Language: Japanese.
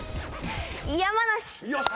山梨。